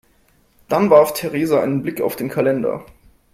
Dann warf Theresa einen Blick auf den Kalender.